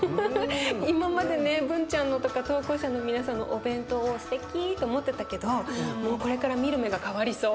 今までねブンちゃんのとか投稿者の皆さんのお弁当をすてきと思ってたけどもうこれから見る目が変わりそう。